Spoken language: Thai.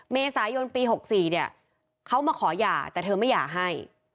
เมษายนปี๖๔เนี่ยเขามาขอหย่าแต่เธอไม่หย่าให้